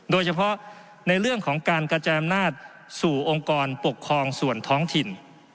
โดยเฉพาะในเรื่องของการกระจายอำนาจสู่องค์กรปกครองส่วนท้องถิ่น